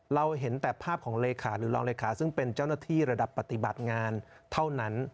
เราเห็นแต่ภาพของเลขาหรือรองเลขาซึ่งเป็นเจ้าหน้าที่ระดับปฏิบัติงานเท่านั้น